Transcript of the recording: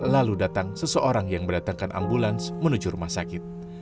lalu datang seseorang yang berdatangkan ambulans menuju rumah sakit